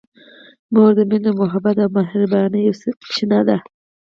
مور د مینې، محبت او مهربانۍ یوه چینه ده.